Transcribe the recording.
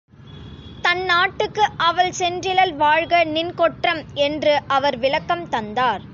தன் நாட்டுக்கு அவள் சென்றிலள் வாழ்க நின் கொற்றம் என்று அவர் விளக்கம் தந்தார்.